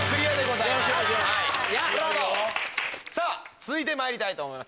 続いてまいりたいと思います